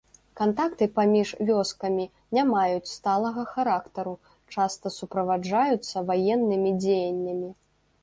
Кантакты паміж вёскамі не маюць сталага характару, часта суправаджаюцца ваеннымі дзеяннямі.